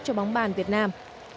cho bóng bàn việt nam